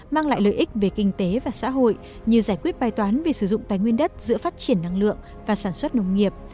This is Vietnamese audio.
mang lại lợi ích về kinh tế và xã hội như giải quyết bài toán về sử dụng tài nguyên đất giữa phát triển năng lượng và sản xuất nông nghiệp